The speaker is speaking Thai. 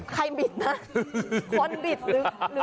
ไฮบริตนะ